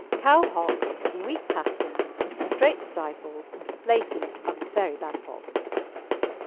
Cow hocks, weak pasterns, straight stifles, and splay feet are very bad faults.